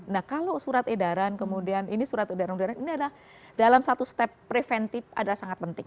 nah kalau surat edaran kemudian ini surat edaran udara ini adalah dalam satu step preventif adalah sangat penting